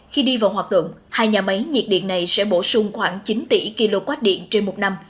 khi đi vào hoạt động hai nhà máy nhiệt điện này sẽ bổ sung khoảng chín tỷ kw điện trên một năm